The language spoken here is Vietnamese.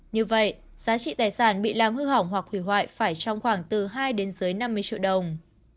như vậy giá trị tài sản bị làm hư hỏng hoặc hủy hoại phải trong khoảng từ hai đến dưới năm mươi triệu đồng